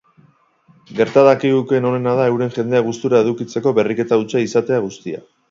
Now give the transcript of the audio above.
Gerta dakigukeen onena da euren jendea gustura edukitzeko berriketa hutsa izatea guztia.